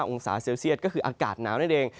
องศาเซลเซียตก็คืออากาศหนาวนั่นเอง